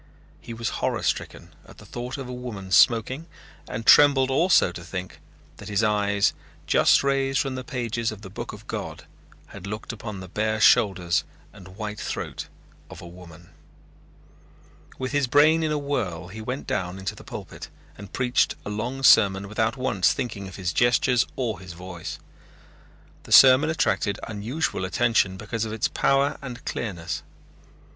He was horror stricken at the thought of a woman smoking and trembled also to think that his eyes, just raised from the pages of the book of God, had looked upon the bare shoulders and white throat of a woman. With his brain in a whirl he went down into the pulpit and preached a long sermon without once thinking of his gestures or his voice. The sermon attracted unusual attention because of its power and clearness.